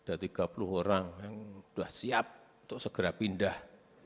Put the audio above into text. ada tiga puluh orang yang sudah siap untuk segera pindah